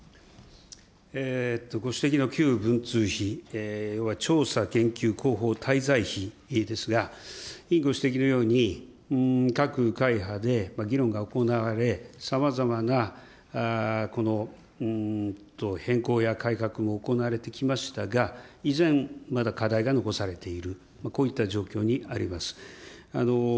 ご指摘の旧文通費は調査、研究、広報、滞在費ですが、委員ご指摘のように各会派で議論が行われ、さまざまな変更や改革も行われてきましたが、依然、まだ課題が残されている、こういった状況にあります。